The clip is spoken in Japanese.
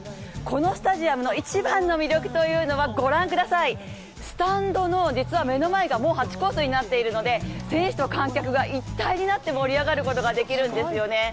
このスタジアムの一番の魅力というのは御覧ください、スタンドの実は目の前がもう８コースになっているので、選手と観客が一体になって盛り上がることができるんですよね。